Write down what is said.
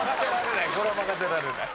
これは任せられない。